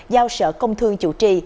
giao sở công thương chủ trì